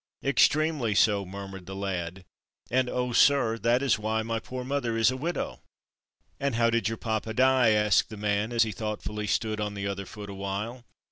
"Extremely so," murmured the lad, "and, oh, sir, that is why my poor mother is a widow." "And how did your papa die?" asked the man, as he thoughtfully stood on the other foot awhile.